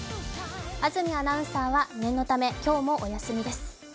安住アナウンサーは念のため今日もお休みです。